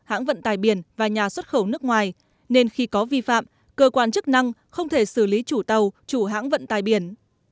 hãng vận tài biển và nhà xuất khẩu nước ngoài nên khi có vi phạm cơ quan chức năng không thể xử lý chủ tàu chủ hãng vận tài biển